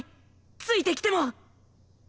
ついてきても！